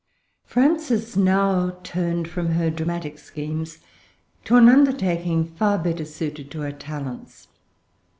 Frances now turned from her dramatic schemes to an undertaking far better suited to her talents.